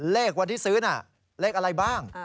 เลขวันที่ซื้อน่ะเลขอะไรบ้าง